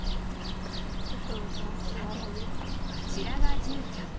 さてこちらが住居。